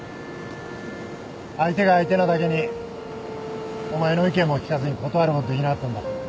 相手が相手なだけにお前の意見も聞かずに断ることできなかったんだ。